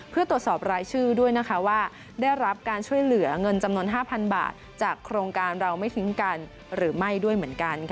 เพื่อตรวจสอบรายชื่อด้วยนะคะว่าได้รับการช่วยเหลือเงินจำนวน๕๐๐๐บาทจากโครงการเราไม่ทิ้งกันหรือไม่ด้วยเหมือนกัน